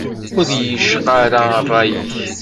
Ur iy-icqa ara rray-ik.